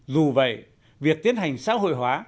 dù vậy việc tiến hành xã hội hóa